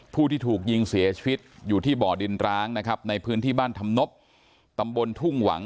ผู้ที่ถูกยิงเสียชีวิตอยู่ที่บ่อดินร้างนะครับในพื้นที่บ้านธรรมนบตำบลทุ่งหวัง